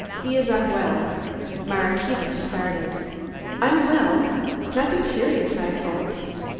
He is unwell." Maraquito started. "Unwell. Nothing serious, I hope?"